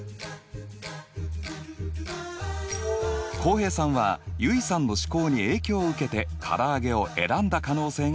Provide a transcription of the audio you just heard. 浩平さんは結衣さんの試行に影響を受けて唐揚げを選んだ可能性があります。